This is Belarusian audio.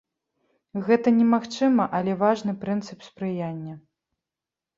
Гэта немагчыма, але важны прынцып спрыяння.